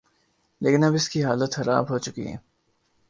لیکن اب اس کی حالت خراب ہو چکی ہے۔